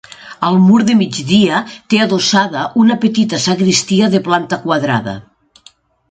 Al mur de migdia té adossada una petita sagristia de planta quadrada.